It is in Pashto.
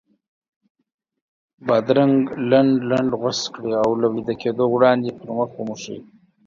بادرنګ لنډ لنډ غوڅ کړئ او له ویده کېدو وړاندې یې پر مخ وموښئ.